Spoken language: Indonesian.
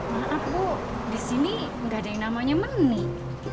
maaf bu disini nggak ada yang namanya menik